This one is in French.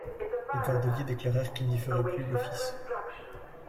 Les cordeliers déclarèrent qu'ils n'y feraient plus l'office.